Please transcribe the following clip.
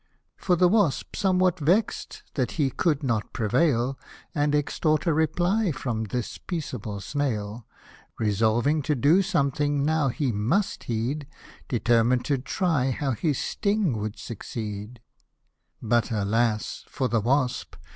For the wasp, somewhat vex'd that he could net pre vail, And extort a reply from this peaceable snail, Resolving to do something now he must heed, Determined to try how his sting would succeed, p. 86. The Wasp the Snail. The Fox the Crow; 87 But, alas ! for the wasp